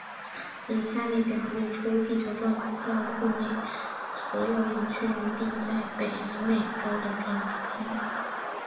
以下列表列出地球撞击资料库内所有已确认并在北美洲的撞击坑。